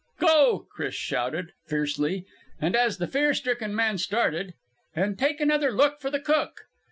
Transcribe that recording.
"Go!" Chris shouted, fiercely. And as the fear stricken man started, "And take another look for the cook!"